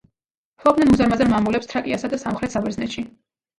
ფლობდნენ უზარმაზარ მამულებს თრაკიასა და სამხრეთ საბერძნეთში.